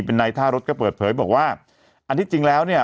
เป็นนายท่ารถก็เปิดเผยบอกว่าอันที่จริงแล้วเนี่ย